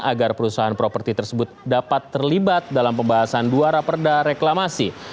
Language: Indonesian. agar perusahaan properti tersebut dapat terlibat dalam pembahasan dua raperda reklamasi